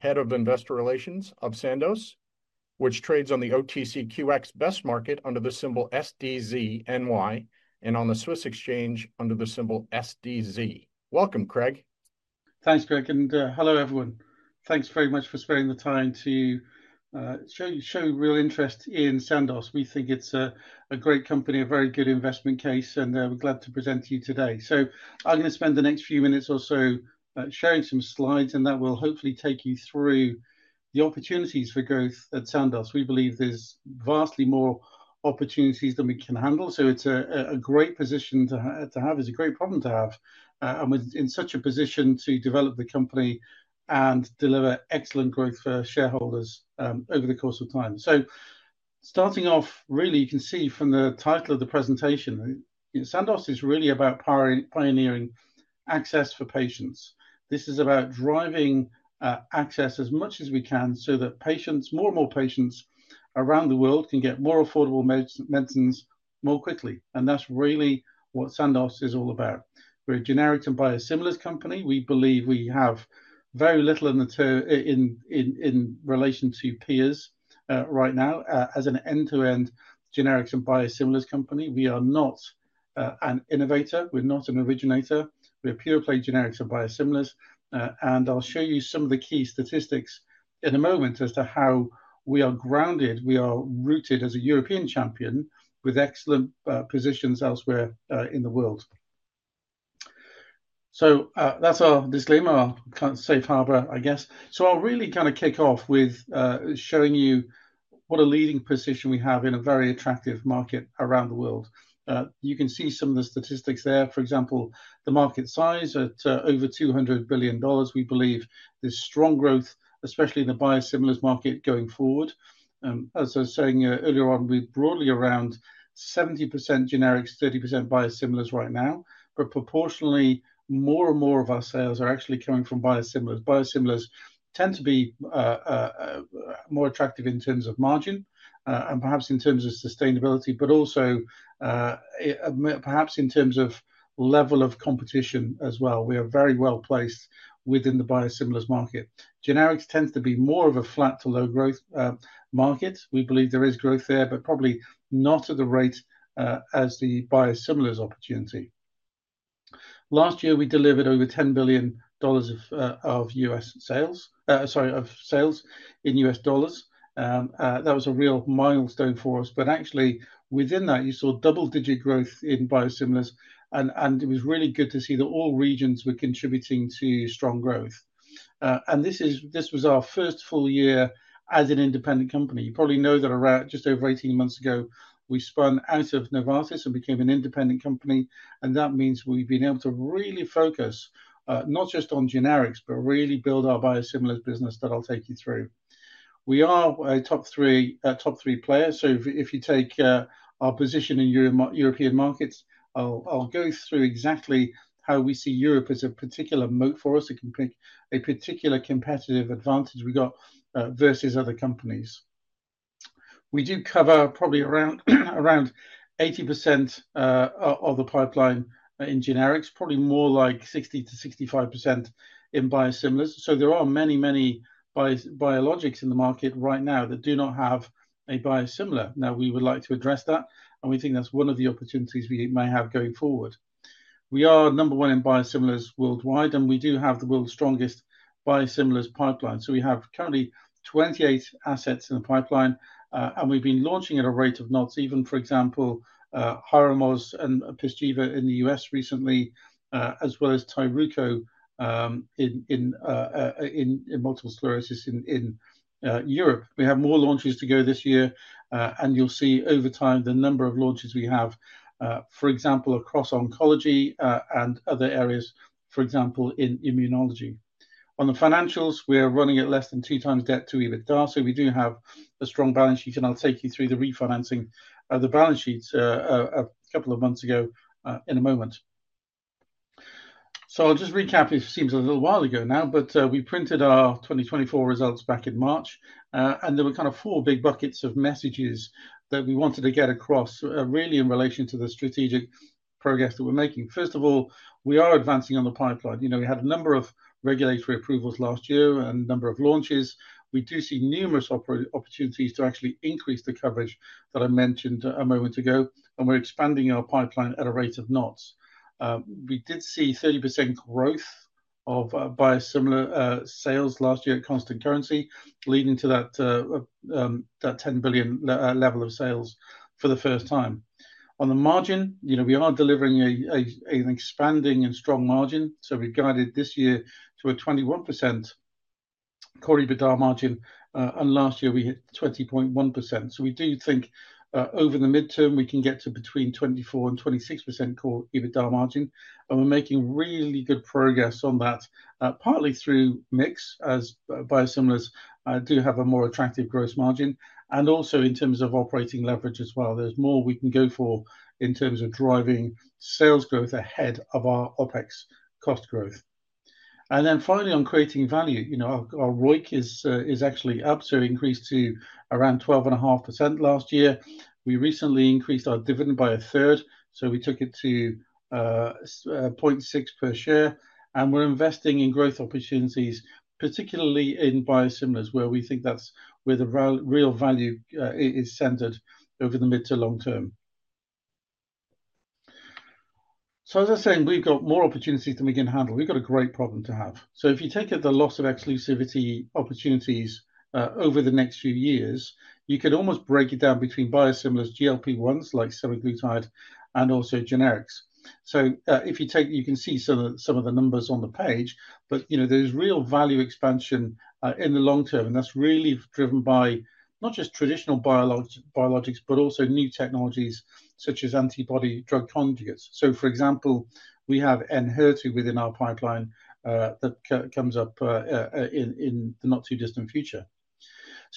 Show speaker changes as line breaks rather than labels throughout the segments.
Head of Investor Relations of Sandoz, which trades on the OTCQX Best Market under the symbol SDZNY, and on the Swiss exchange under the symbol SDZ. Welcome, Craig.
Thanks, Craig, and hello everyone. Thanks very much for sparing the time to show real interest in Sandoz. We think it's a great company, a very good investment case, and we're glad to present to you today. I'm going to spend the next few minutes or so sharing some slides, and that will hopefully take you through the opportunities for growth at Sandoz. We believe there's vastly more opportunities than we can handle, so it's a great position to have. It's a great problem to have, and we're in such a position to develop the company and deliver excellent growth for shareholders over the course of time. Starting off, really, you can see from the title of the presentation, Sandoz is really about pioneering access for patients. This is about driving access as much as we can so that patients, more and more patients around the world, can get more affordable medicines more quickly, and that's really what Sandoz is all about. We're a generics and biosimilars company. We believe we have very little in the term in relation to peers right now. As an end-to-end generics and biosimilars company, we are not an innovator. We're not an originator. We're a pure-play generics and biosimilars, and I'll show you some of the key statistics in a moment as to how we are grounded. We are rooted as a European champion with excellent positions elsewhere in the world. That's our disclaimer. I'll kind of safe harbor, I guess. I'll really kind of kick off with showing you what a leading position we have in a very attractive market around the world. You can see some of the statistics there. For example, the market size at over $200 billion. We believe there's strong growth, especially in the biosimilars market going forward. As I was saying earlier on, we're broadly around 70% generics, 30% biosimilars right now, but proportionally, more and more of our sales are actually coming from biosimilars. Biosimilars tend to be more attractive in terms of margin and perhaps in terms of sustainability, but also perhaps in terms of level of competition as well. We are very well placed within the biosimilars market. Generics tends to be more of a flat to low growth market. We believe there is growth there, but probably not at the rate as the biosimilars opportunity. Last year, we delivered over $10 billion of U.S. sales, sorry, of sales in U.S. dollars. That was a real milestone for us, but actually within that, you saw double-digit growth in biosimilars, and it was really good to see that all regions were contributing to strong growth. This was our first full year as an independent company. You probably know that just over 18 months ago, we spun out of Novartis and became an independent company, and that means we've been able to really focus not just on generics, but really build our biosimilars business that I'll take you through. We are a top three player, so if you take our position in European markets, I'll go through exactly how we see Europe as a particular moat for us. It can pick a particular competitive advantage we got versus other companies. We do cover probably around 80% of the pipeline in generics, probably more like 60-65% in biosimilars. There are many, many biologics in the market right now that do not have a biosimilar. Now, we would like to address that, and we think that's one of the opportunities we may have going forward. We are number one in biosimilars worldwide, and we do have the world's strongest biosimilars pipeline. We have currently 28 assets in the pipeline, and we've been launching at a rate of not even, for example, Hyrimoz and Envisa in the U.S. recently, as well as Tyruko in multiple sclerosis in Europe. We have more launches to go this year, and you'll see over time the number of launches we have, for example, across oncology and other areas, for example, in immunology. On the financials, we're running at less than two times debt-to-EBITDA, so we do have a strong balance sheet, and I'll take you through the refinancing of the balance sheet a couple of months ago in a moment. I'll just recap. It seems a little while ago now, but we printed our 2024 results back in March, and there were kind of four big buckets of messages that we wanted to get across really in relation to the strategic progress that we're making. First of all, we are advancing on the pipeline. We had a number of regulatory approvals last year and a number of launches. We do see numerous opportunities to actually increase the coverage that I mentioned a moment ago, and we're expanding our pipeline at a rate of not. We did see 30% growth of biosimilar sales last year at constant currency, leading to that $10 billion level of sales for the first time. On the margin, we are delivering an expanding and strong margin, so we've guided this year to a 21% core EBITDA margin, and last year we hit 20.1%. We do think over the midterm we can get to between 24–26% core EBITDA margin, and we're making really good progress on that, partly through mix as biosimilars do have a more attractive gross margin, and also in terms of operating leverage as well. There's more we can go for in terms of driving sales growth ahead of our OPEX cost growth. Finally, on creating value, our ROIC is actually up, so it increased to around 12.5% last year. We recently increased our dividend by a third, so we took it to 0.6% per share, and we're investing in growth opportunities, particularly in biosimilars, where we think that's where the real value is centered over the mid to long term. As I was saying, we've got more opportunities than we can handle. We've got a great problem to have. If you take the loss of exclusivity opportunities over the next few years, you could almost break it down between biosimilars, GLP-1s like semaglutide, and also generics. You can see some of the numbers on the page, but there's real value expansion in the long term, and that's really driven by not just traditional biologics, but also new technologies such as antibody drug conjugates. For example, we have Enhertu within our pipeline that comes up in the not too distant future.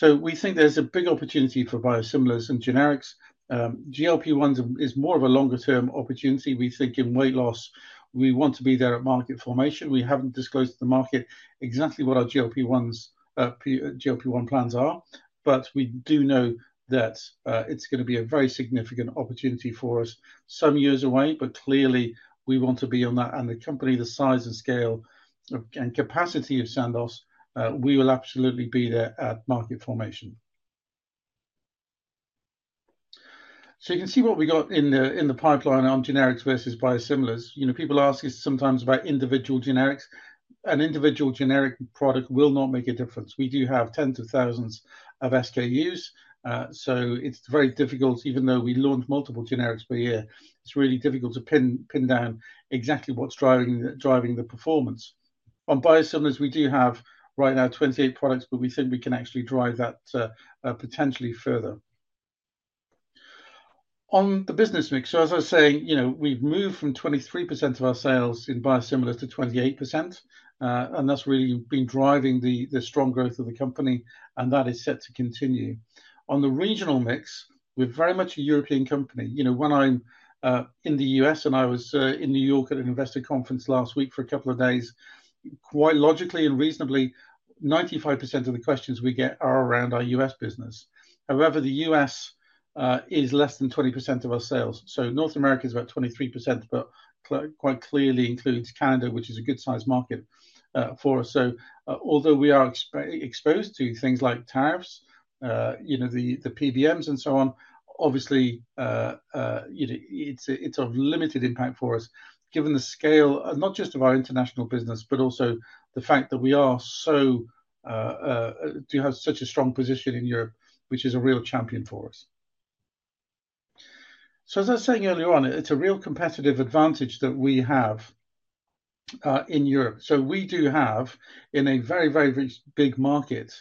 We think there's a big opportunity for biosimilars and generics. GLP-1s is more of a longer-term opportunity. We think in weight loss, we want to be there at market formation. We haven't disclosed to the market exactly what our GLP-1 plans are, but we do know that it's going to be a very significant opportunity for us some years away, but clearly we want to be on that, and the company, the size and scale and capacity of Sandoz, we will absolutely be there at market formation. You can see what we got in the pipeline on generics versus biosimilars. People ask us sometimes about individual generics. An individual generic product will not make a difference. We do have tens of thousands of SKUs, so it's very difficult, even though we launch multiple generics per year, it's really difficult to pin down exactly what's driving the performance. On biosimilars, we do have right now 28 products, but we think we can actually drive that potentially further. On the business mix, as I was saying, we've moved from 23% of our sales in biosimilars to 28%, and that's really been driving the strong growth of the company, and that is set to continue. On the regional mix, we're very much a European company. When I'm in the U.S. and I was in New York at an investor conference last week for a couple of days, quite logically and reasonably, 95% of the questions we get are around our U.S. business. However, the U.S. is less than 20% of our sales. North America is about 23%, but quite clearly includes Canada, which is a good size market for us. Although we are exposed to things like tariffs, the PBMs and so on, obviously it's of limited impact for us given the scale, not just of our international business, but also the fact that we do have such a strong position in Europe, which is a real champion for us. As I was saying earlier on, it's a real competitive advantage that we have in Europe. We do have, in a very, very big market,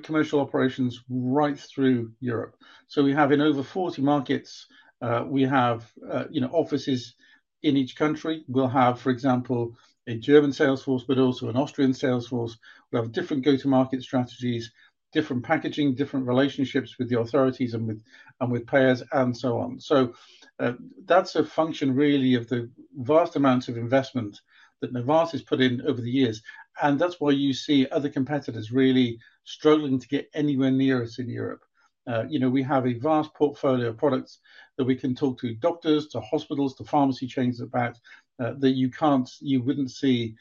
commercial operations right through Europe. We have in over 40 markets, offices in each country. We'll have, for example, a German salesforce, but also an Austrian salesforce. We'll have different go-to-market strategies, different packaging, different relationships with the authorities and with payers and so on. That's a function really of the vast amounts of investment that Novartis has put in over the years, and that's why you see other competitors really struggling to get anywhere near us in Europe. We have a vast portfolio of products that we can talk to doctors, to hospitals, to pharmacy chains about that you wouldn't see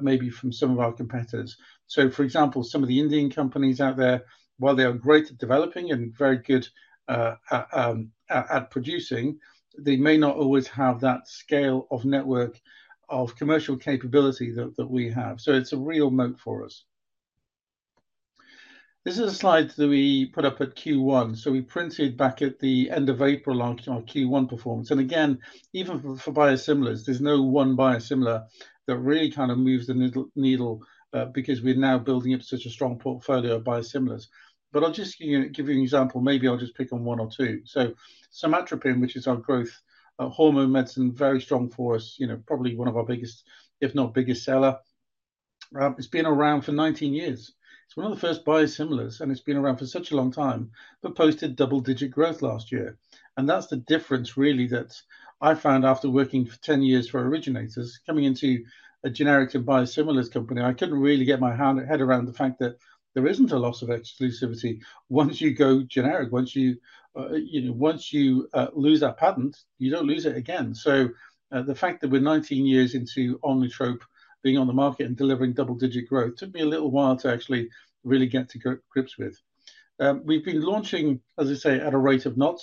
maybe from some of our competitors. For example, some of the Indian companies out there, while they are great at developing and very good at producing, they may not always have that scale of network of commercial capability that we have. It's a real moat for us. This is a slide that we put up at Q1. We printed back at the end of April our Q1 performance. Again, even for biosimilars, there's no one biosimilar that really kind of moves the needle because we're now building up such a strong portfolio of biosimilars. I'll just give you an example. Maybe I'll just pick on one or two. So Omnitrope, which is our growth hormone medicine, very strong for us, probably one of our biggest, if not biggest seller. It's been around for 19 years. It's one of the first biosimilars, and it's been around for such a long time, but posted double-digit growth last year. That's the difference really that I found after working for 10 years for originators, coming into a generics and biosimilars company. I couldn't really get my head around the fact that there isn't a loss of exclusivity once you go generic. Once you lose that patent, you don't lose it again. The fact that we're 19 years into Omnitrope being on the market and delivering double-digit growth took me a little while to actually really get to grips with. We've been launching, as I say, at a rate of not.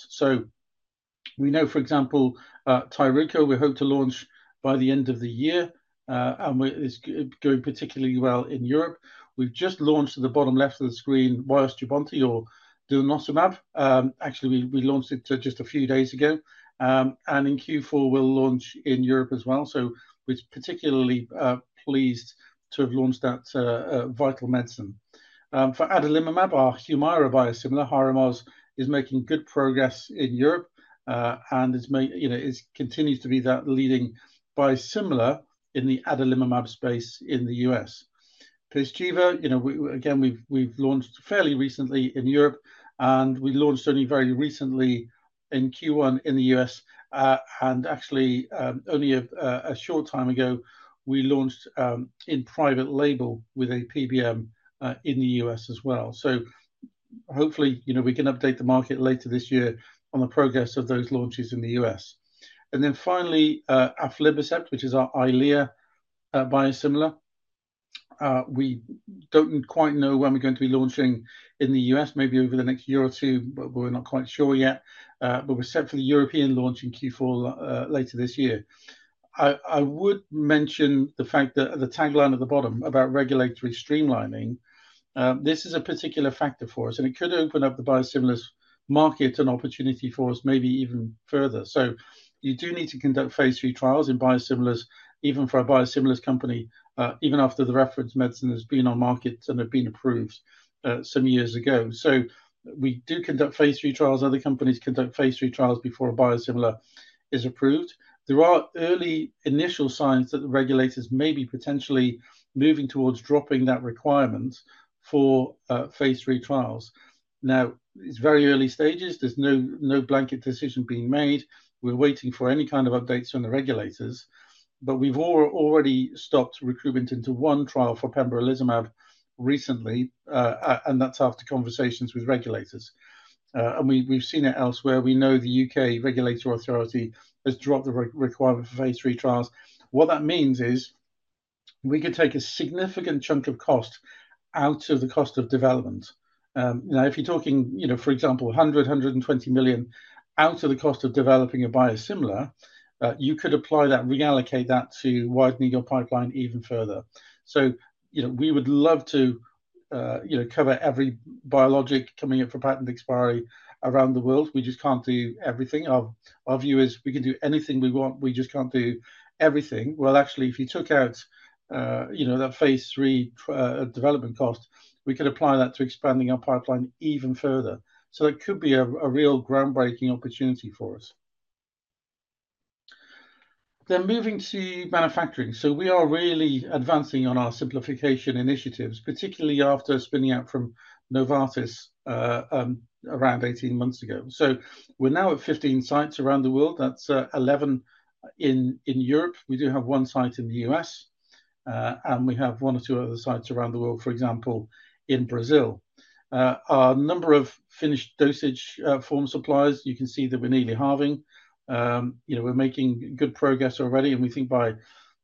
We know, for example, Tyruko, we hope to launch by the end of the year, and it's going particularly well in Europe. We've just launched, to the bottom left of the screen, Doneotumab. Actually, we launched it just a few days ago, and in Q4, we'll launch in Europe as well. We're particularly pleased to have launched that vital medicine. For Adalimumab, our Humira biosimilar, Hyrimoz, is making good progress in Europe and continues to be that leading biosimilar in the Adalimumab space in the US. Pisteva, again, we've launched fairly recently in Europe, and we launched only very recently in Q1 in the US. Actually, only a short time ago, we launched in private label with a PBM in the U.S. as well. Hopefully, we can update the market later this year on the progress of those launches in the US. Finally, Aflibercept, which is our Eylea biosimilar. We do not quite know when we are going to be launching in the US, maybe over the next year or two, but we are not quite sure yet. We are set for the European launch in Q4 later this year. I would mention the fact that the tagline at the bottom about regulatory streamlining, this is a particular factor for us, and it could open up the biosimilars market an opportunity for us maybe even further. You do need to conduct phase III trials in biosimilars, even for a biosimilars company, even after the reference medicine has been on market and has been approved some years ago. We do conduct phase III trials. Other companies conduct phase III trials before a biosimilar is approved. There are early initial signs that the regulators may be potentially moving towards dropping that requirement for phase III trials. Now, it's very early stages. There's no blanket decision being made. We're waiting for any kind of updates from the regulators, but we've already stopped recruitment into one trial for Pembrolizumab recently, and that's after conversations with regulators. We've seen it elsewhere. We know the U.K. regulatory authority has dropped the requirement for phase III trials. What that means is we could take a significant chunk of cost out of the cost of development. Now, if you're talking, for example, $100 million, $120 million out of the cost of developing a biosimilar, you could apply that, reallocate that to widening your pipeline even further. We would love to cover every biologic coming up for patent expiry around the world. We just can't do everything. Our view is we can do anything we want. We just can't do everything. If you took out that phase III development cost, we could apply that to expanding our pipeline even further. That could be a real groundbreaking opportunity for us. Moving to manufacturing. We are really advancing on our simplification initiatives, particularly after spinning out from Novartis around 18 months ago. We are now at 15 sites around the world. That's 11 in Europe. We do have one site in the U.S., and we have one or two other sites around the world, for example, in Brazil. Our number of finished dosage form suppliers, you can see that we're nearly halving. We're making good progress already, and we think by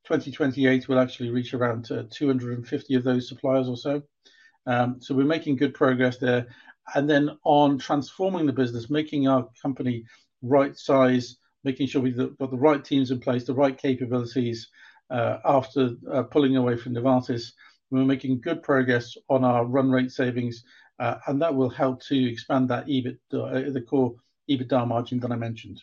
2028, we'll actually reach around 250 of those suppliers or so. We're making good progress there. On transforming the business, making our company right size, making sure we've got the right teams in place, the right capabilities after pulling away from Novartis, we're making good progress on our run rate savings, and that will help to expand that core EBITDA margin that I mentioned.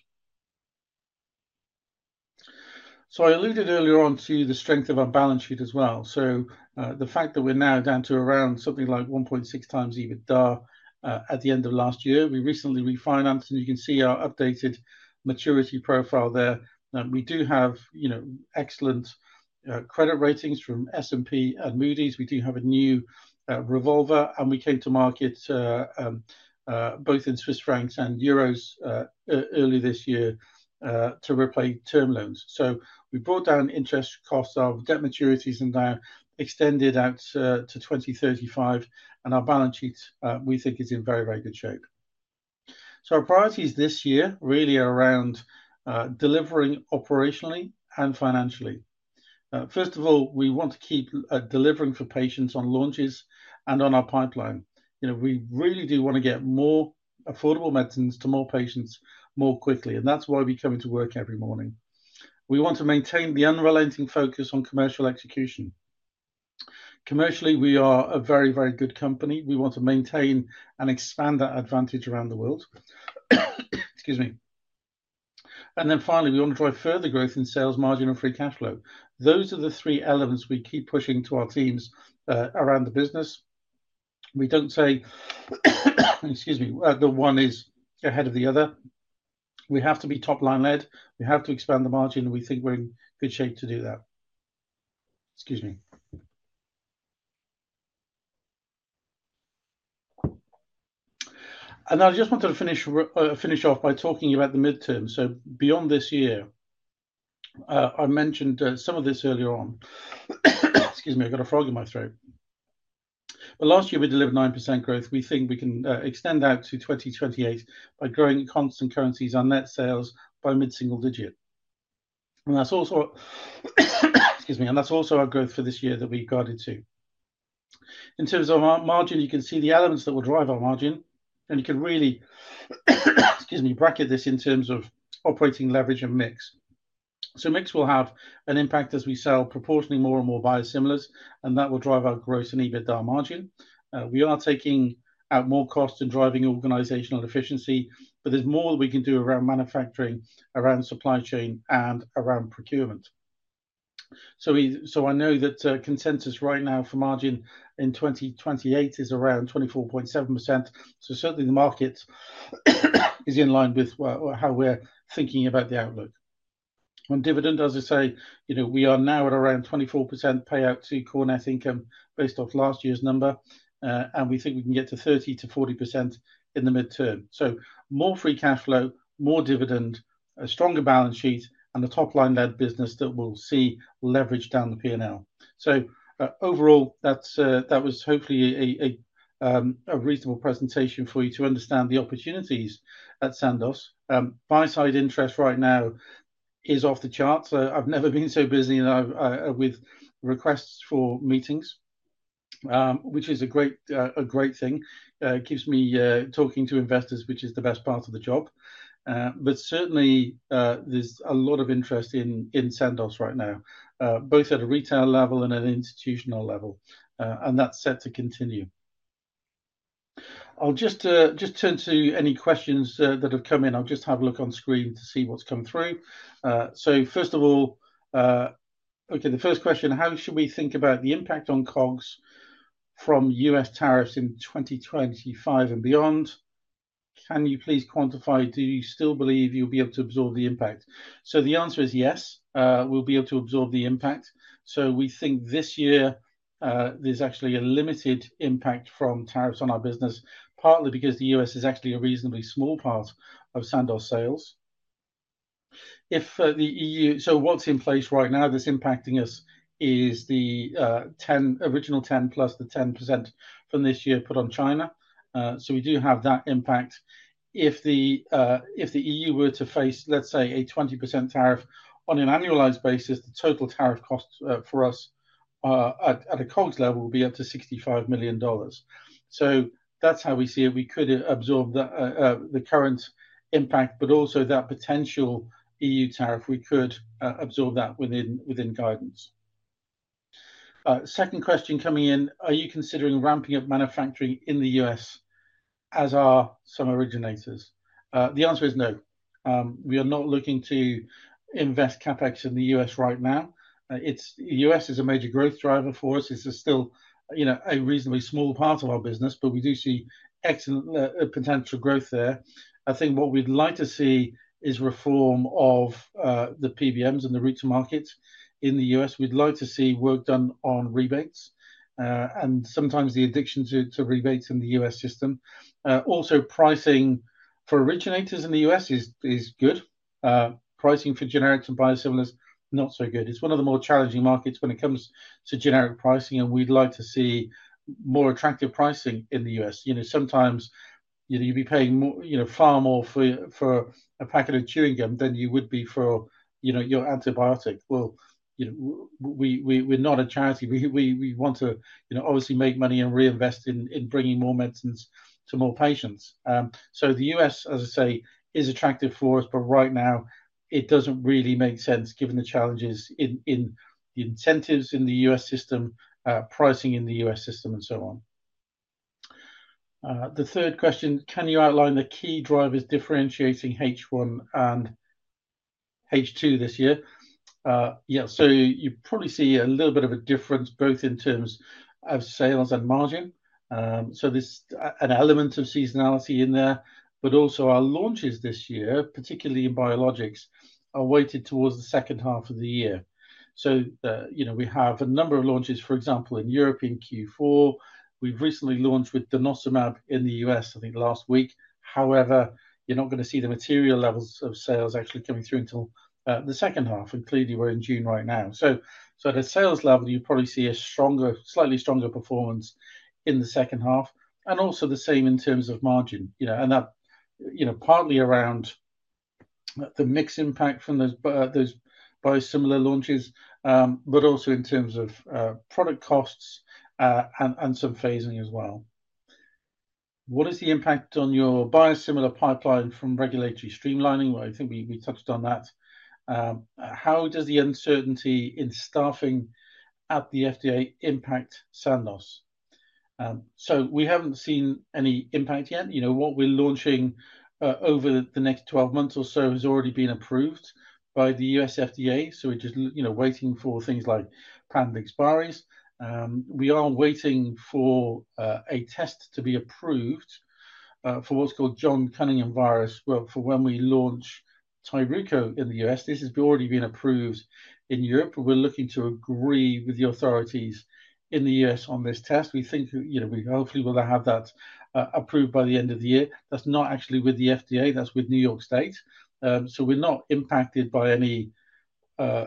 I alluded earlier on to the strength of our balance sheet as well. The fact that we're now down to around something like 1.6 times EBITDA at the end of last year. We recently refinanced, and you can see our updated maturity profile there. We do have excellent credit ratings from S&P and Moody's. We do have a new revolver, and we came to market both in Swiss francs and euros early this year to repay term loans. We brought down interest costs of debt maturities and now extended out to 2035, and our balance sheet, we think, is in very, very good shape. Our priorities this year really are around delivering operationally and financially. First of all, we want to keep delivering for patients on launches and on our pipeline. We really do want to get more affordable medicines to more patients more quickly, and that is why we come into work every morning. We want to maintain the unrelenting focus on commercial execution. Commercially, we are a very, very good company. We want to maintain and expand that advantage around the world. Excuse me. Finally, we want to drive further growth in sales, margin, and free cash flow. Those are the three elements we keep pushing to our teams around the business. We do not say, excuse me, the one is ahead of the other. We have to be top-line-led. We have to expand the margin, and we think we are in good shape to do that. Excuse me. I just wanted to finish off by talking about the midterm. Beyond this year, I mentioned some of this earlier on. Excuse me, I have got a frog in my throat. Last year, we delivered 9% growth. We think we can extend out to 2028 by growing constant currencies on net sales by mid-single digit. That is also our growth for this year that we have guided to. In terms of our margin, you can see the elements that will drive our margin, and you can really bracket this in terms of operating leverage and mix. Mix will have an impact as we sell proportionally more and more biosimilars, and that will drive our growth in EBITDA margin. We are taking out more costs and driving organizational efficiency, but there is more that we can do around manufacturing, around supply chain, and around procurement. I know that consensus right now for margin in 2028 is around 24.7%. Certainly, the market is in line with how we are thinking about the outlook. On dividend, as I say, we are now at around 24% payout to core net income based off last year's number, and we think we can get to 30–40% in the midterm. More free cash flow, more dividend, a stronger balance sheet, and a top-line-led business that will see leverage down the P&L. Overall, that was hopefully a reasonable presentation for you to understand the opportunities at Sandoz. Buy-side interest right now is off the charts. I've never been so busy with requests for meetings, which is a great thing. It keeps me talking to investors, which is the best part of the job. Certainly, there's a lot of interest in Sandoz right now, both at a retail level and at an institutional level, and that's set to continue. I'll just turn to any questions that have come in. I'll just have a look on screen to see what's come through. First of all, okay, the first question, how should we think about the impact on COGS from U.S. tariffs in 2025 and beyond? Can you please quantify? Do you still believe you'll be able to absorb the impact? The answer is yes. We'll be able to absorb the impact. We think this year there's actually a limited impact from tariffs on our business, partly because the U.S. is actually a reasonably small part of Sandoz sales. If the EU, so what's in place right now that's impacting us is the original 10% plus the 10% from this year put on China. We do have that impact. If the EU were to face, let's say, a 20% tariff on an annualized basis, the total tariff cost for us at a COGS level will be up to $65 million. That's how we see it. We could absorb the current impact, but also that potential EU tariff, we could absorb that within guidance. Second question coming in, are you considering ramping up manufacturing in the U.S. as are some originators? The answer is no. We are not looking to invest CapEx in the U.S. right now. The U.S. is a major growth driver for us. It's still a reasonably small part of our business, but we do see excellent potential growth there. I think what we'd like to see is reform of the PBMs and the route to markets in the U.S. We'd like to see work done on rebates, and sometimes the addiction to rebates in the U.S. system. Also, pricing for originators in the U.S. is good. Pricing for generics and biosimilars, not so good. It's one of the more challenging markets when it comes to generic pricing, and we'd like to see more attractive pricing in the U.S. Sometimes you'd be paying far more for a packet of chewing gum than you would be for your antibiotic. We're not a charity. We want to obviously make money and reinvest in bringing more medicines to more patients. The U.S., as I say, is attractive for us, but right now, it doesn't really make sense given the challenges in the incentives in the U.S. system, pricing in the U.S. system, and so on. The third question, can you outline the key drivers differentiating H1 and H2 this year? Yeah. You probably see a little bit of a difference both in terms of sales and margin. There is an element of seasonality in there, but also our launches this year, particularly in biologics, are weighted towards the second half of the year. We have a number of launches, for example, in Europe in Q4. We have recently launched with Denosumab in the U.S., I think, last week. However, you are not going to see the material levels of sales actually coming through until the second half, and clearly, we are in June right now. At a sales level, you probably see a slightly stronger performance in the second half, and also the same in terms of margin. That is partly around the mix impact from those biosimilar launches, but also in terms of product costs and some phasing as well. What is the impact on your biosimilar pipeline from regulatory streamlining? I think we touched on that. How does the uncertainty in staffing at the FDA impact Sandoz? We haven't seen any impact yet. What we're launching over the next 12 months or so has already been approved by the U.S. FDA. We're just waiting for things like patent expiries. We are waiting for a test to be approved for what's called John Cunningham virus for when we launch Tyruko in the U.S. This has already been approved in Europe, but we're looking to agree with the authorities in the U.S. on this test. We think we hopefully will have that approved by the end of the year. That's not actually with the FDA. That's with New York State. We're not impacted by any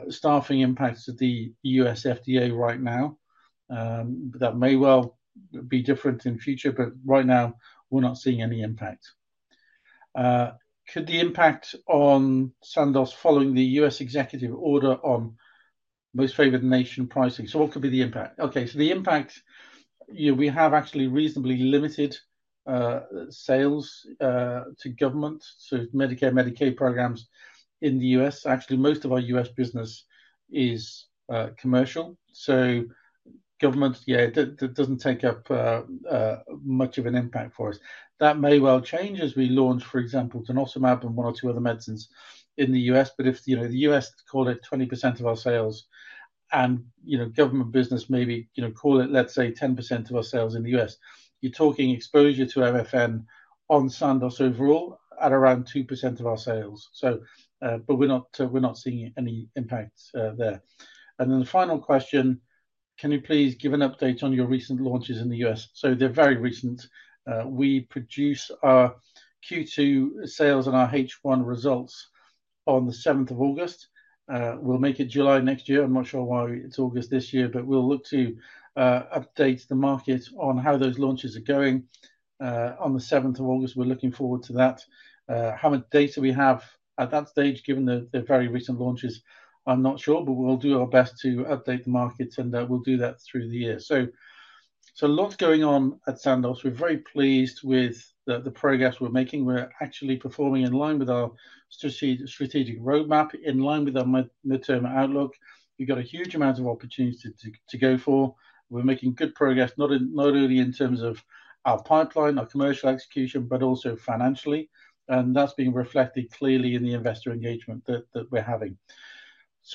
staffing impacts of the U.S. FDA right now. That may well be different in the future, but right now, we're not seeing any impact. Could the impact on Sandoz following the U.S. executive order on most favored nation pricing? What could be the impact? Okay. The impact, we have actually reasonably limited sales to government, so Medicare, Medicaid programs in the U.S. Actually, most of our U.S. business is commercial. Government, yeah, that doesn't take up much of an impact for us. That may well change as we launch, for example, Denosumab and one or two other medicines in the U.S. If the U.S. called it 20% of our sales and government business maybe called it, let's say, 10% of our sales in the U.S., you're talking exposure to MFN on Sandoz overall at around 2% of our sales. We're not seeing any impact there. The final question, can you please give an update on your recent launches in the U.S.? They are very recent. We produce our Q2 sales and our H1 results on the 7th of August. We will make it July next year. I am not sure why it is August this year, but we will look to update the market on how those launches are going on the 7th of August. We are looking forward to that. How much data we have at that stage, given the very recent launches, I am not sure, but we will do our best to update the markets, and we will do that through the year. A lot is going on at Sandoz. We are very pleased with the progress we are making. We are actually performing in line with our strategic roadmap, in line with our midterm outlook. We have got a huge amount of opportunity to go for. We're making good progress, not only in terms of our pipeline, our commercial execution, but also financially. That's being reflected clearly in the investor engagement that we're having.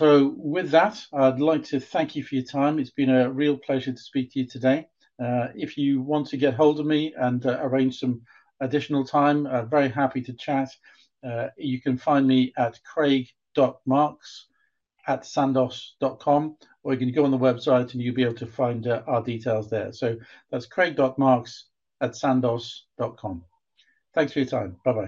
With that, I'd like to thank you for your time. It's been a real pleasure to speak to you today. If you want to get hold of me and arrange some additional time, I'm very happy to chat. You can find me at Craig.Marks@Sandoz.com, or you can go on the website, and you'll be able to find our details there. That's Craig.Marks@Sandoz.com. Thanks for your time. Bye-bye.